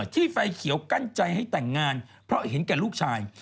ที่ไฟเขียวกั้นใจให้แต่งงานเพราะเห็นแก่ลูกชาย